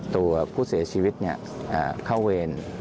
ตัวผู้เสียชีวิตเข้าเวร